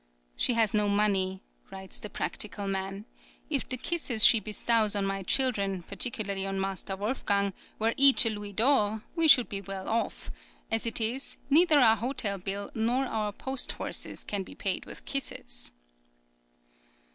"She has no money," writes the practical man. "If the kisses she bestows on my children, particularly on Master Wolfgang, were each a louis d'or, we should be well off; as it is, neither our hotel bill nor our post horses can be paid with kisses."